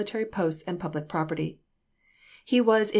all military posts and public property. He was in i'.